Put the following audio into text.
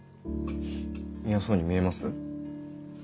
嫌そうに見えます？